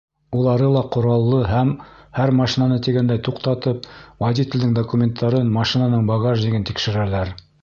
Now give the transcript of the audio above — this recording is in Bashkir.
Улары ла ҡораллы һәм, һәр машинаны тигәндәй туҡтатып, водителдең документтарын, машинаның багажнигын тикшерәләр...